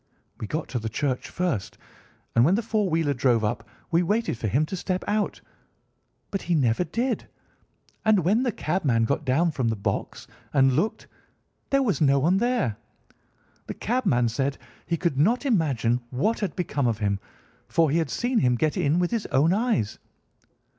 We got to the church first, and when the four wheeler drove up we waited for him to step out, but he never did, and when the cabman got down from the box and looked there was no one there! The cabman said that he could not imagine what had become of him, for he had seen him get in with his own eyes.